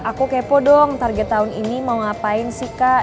aku kepo dong target tahun ini mau ngapain sih kak